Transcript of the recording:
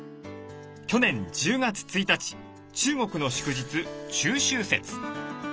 去年１０月１日中国の祝日中秋節。